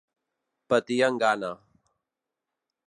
Patien gana.